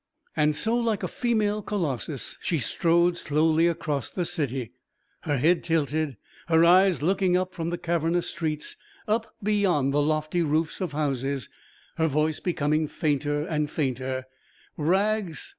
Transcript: And so, like a female Colossus, she strode slowly across the city, her head tilted, her eyes looking up from the cavernous streets up beyond the lofty roofs of houses, her voice becoming fainter and fainter: "Rags